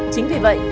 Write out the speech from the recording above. chính vì vậy